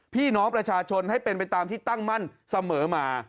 พี่น้องประชาชนให้เป็นไปตามที่ตั้งมั่นเสมอมา